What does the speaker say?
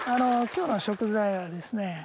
今日の食材はですね。